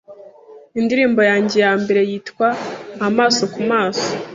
Indirimbo yanjye ya mbere yitwa Amaso Ku Maso